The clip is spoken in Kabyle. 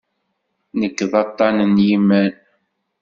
Nekk d aṭṭan n yiman.